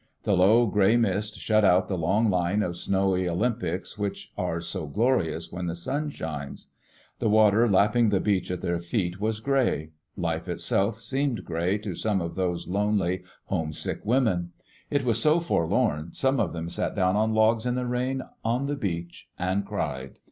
The low, gray mist shut out the long line of snowy Olympics which are so glorious when the sun shines. The water lapping the beach at their feet was gray. Life itself seemed gray to some of those lonely, homesick women. It was so forlorn some of them sat down on logs in the rain on the beach and cried.